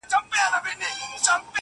• چي پکښي و لټوو لار د سپین سبا په لوري,